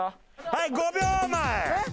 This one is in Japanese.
はい５秒前！